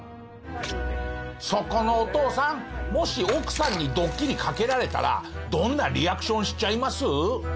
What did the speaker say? そこのお父さんもし奥さんにドッキリかけられたらどんなリアクションしちゃいます？